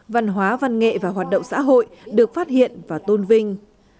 văn hóa văn nghệ và hoạt động xã hội được phát hiện và tôn vinh